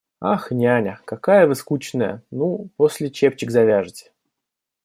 Ах, няня, какая вы скучная, ну, после чепчик завяжете!